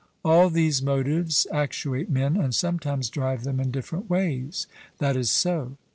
All these motives actuate men and sometimes drive them in different ways. 'That is so.'